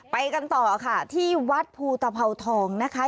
ไปกันต่อค่ะที่วัดภูตภาวทองนะคะ